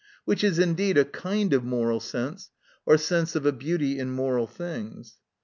Which is indeed a kind of moral sense or sense of a beauty in moral things.